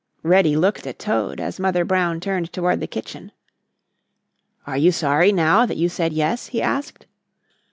Reddy looked at Toad, as Mother Brown turned toward the kitchen. "Are you sorry now that you said 'yes'?" he asked.